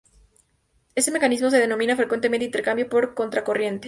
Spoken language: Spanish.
Este mecanismo se denomina frecuentemente intercambio por contracorriente.